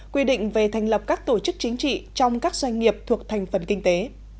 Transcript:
quy định về thành lập các tổ chức chính trị trong các doanh nghiệp thuộc thành phần kinh tế